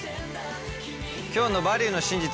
今日の「バリューの真実」